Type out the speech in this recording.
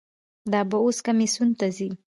دا به اوس کمیسیون ته ځي.